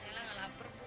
nela gak lapar bu